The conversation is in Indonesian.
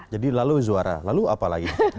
jadi lalu zuara lalu apa lagi